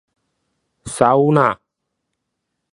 サウナ